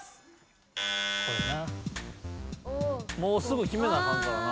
もうすぐ決めなあかんからな。